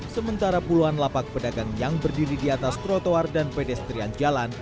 sementara puluhan lapak pedagang yang berdiri di atas trotoar dan pedestrian jalan